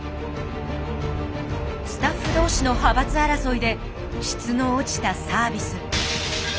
スタッフ同士の派閥争いで質の落ちたサービス。